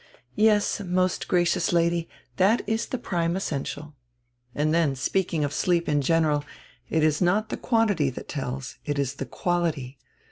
Yes, most gracious Lady, that is the prime essential. And then, speaking of sleep in general, it is not the quantity that tells; it is the quality.